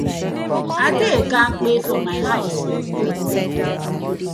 I dey kampe for my hawz.